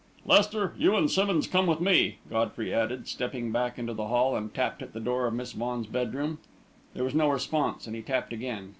"Lester, you and Simmonds come with me," Godfrey added, stepped back into the hall, and tapped at the door of Miss Vaughan's bedroom. There was no response, and he tapped again.